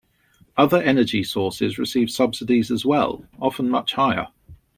Other energy sources receive subsidies as well, often much higher.